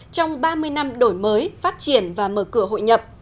trong ba mươi năm đổi mới phát triển và mở cửa hội nhập